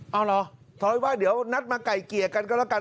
ฮะเลยว่าเตี๋ยวนัดมาไกลเกียร์กันกันล่ะกัน